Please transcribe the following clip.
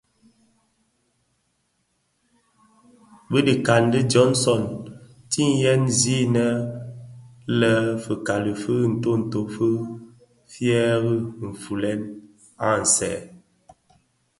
Bi dhikan di Johnson ti dhem zina lè fikali fi ntonto fi fyèri nfulèn aň sèè.